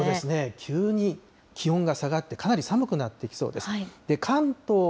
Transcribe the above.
急に気温が下がって、かなり寒くなってきそうです。